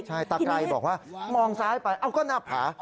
ใช่ตาไกรบอกว่ามองซ้ายไปเอ้าก็หน้าผา